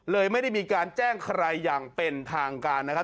ไม่ได้มีการแจ้งใครอย่างเป็นทางการนะครับ